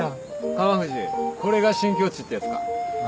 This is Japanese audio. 川藤これが新境地ってやつか？